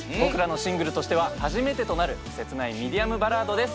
シングルとしては初めてとなる切ないミディアムバラードです。